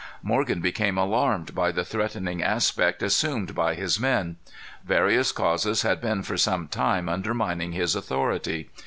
Morgan became alarmed by the threatening aspect assumed by his men. Various causes had been for some time undermining his authority.